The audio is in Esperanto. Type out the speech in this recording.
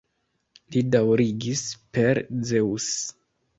Li daŭrigis: Per Zeŭs!